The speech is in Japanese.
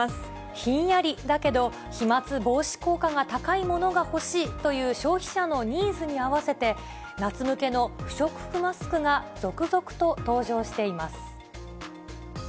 ひんやりだけど、飛まつ防止効果が高いものが欲しいという消費者のニーズに合わせて、夏向けの不織布マスクが続々と登場しています。